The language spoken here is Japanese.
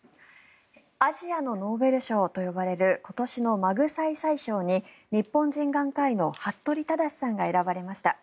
アジアのノーベル賞と呼ばれる今年のマグサイサイ賞に日本人眼科医の服部匡志さんが選ばれました。